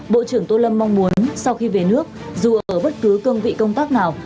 bộ trưởng tô lâm mong muốn sau khi về nước dù ở bất cứ cương vị công tác nào